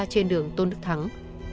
trên đường tôn đức thắng